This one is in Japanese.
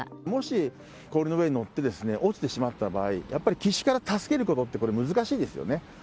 もし氷の上に乗って落ちてしまった場合、やっぱり、岸から助けることってこれ難しいですよね。